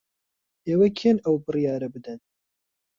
ئێوە کێن ئەو بڕیارە بدەن؟